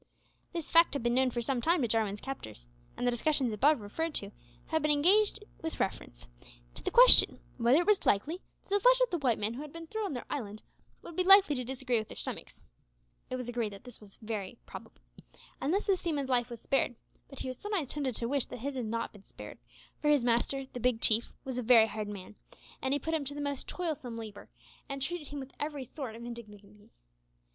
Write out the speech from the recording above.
This fact had been known for some time to Jarwin's captors, and the discussions above referred to had been engaged in with reference to the question whether it was likely that the flesh of the white man who had been thrown on their island would be likely to disagree with their stomachs! It was agreed that this was highly probable, and thus the seaman's life was spared; but he was sometimes tempted to wish that it had not been spared, for his master, the Big Chief, was a very hard man; he put him to the most toilsome labour, and treated him with every sort of indignity.